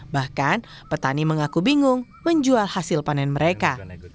bahkan petani mengaku bingung menjual hasil panen mereka